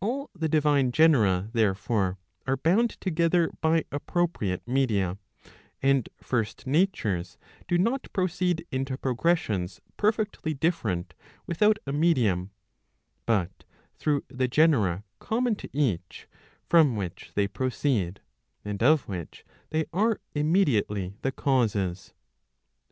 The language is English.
All the divine genera, therefore, are bound together by appropriate media; and first natures do not proceed into progressions perfectly different without a medium, but through the genera common to each, from which they pro¬ ceed, and of which they are immediately the causes.